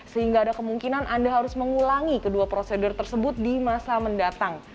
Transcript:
sehingga ada kemungkinan anda harus mengulangi kedua prosedur tersebut di masa mendatang